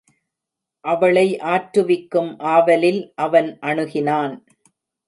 அவளை ஆற்று விக்கும் ஆவலில் அவன் அணுகினான்.